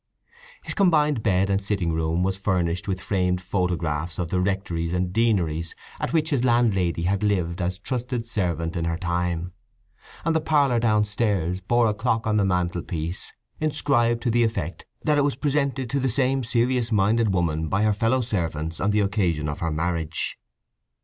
His combined bed and sitting room was furnished with framed photographs of the rectories and deaneries at which his landlady had lived as trusted servant in her time, and the parlour downstairs bore a clock on the mantelpiece inscribed to the effect that it was presented to the same serious minded woman by her fellow servants on the occasion of her marriage.